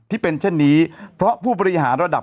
ที่เป็นเช่นนี้เพราะผู้บริหารระดับ